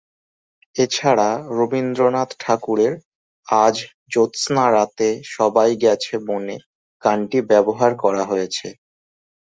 এছাড়া রবীন্দ্রনাথ ঠাকুরের "আজ জ্যোৎস্না রাতে সবাই গেছে বনে" গানটি ব্যবহার করা হয়েছে।